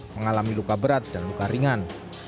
mengalami luka berat dan luka ringan